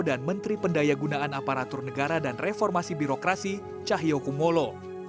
dan menteri pendaya gunaan aparatur negara dan reformasi birokrasi cahyokumolo